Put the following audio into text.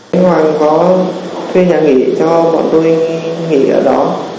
nhưng hoàng có thuê nhà nghỉ cho bọn tôi nghỉ ở đó